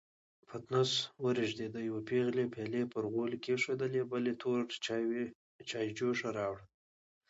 پتنوس ورېږدېد، يوې پېغلې پيالې پر غولي کېښودې، بلې توره چايجوشه راوړه.